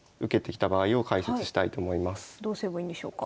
どうすればいいんでしょうか。